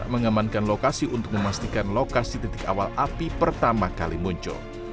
mengamankan lokasi untuk memastikan lokasi titik awal api pertama kali muncul